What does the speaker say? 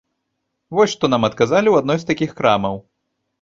Вось што нам адказалі ў адной з такіх крамаў.